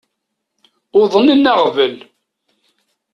Uḍnen aɣbel.